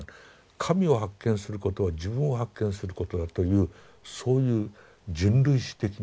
神を発見することは自分を発見することだというそういう人類史的なね